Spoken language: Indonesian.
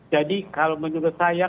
jadi kalau menurut saya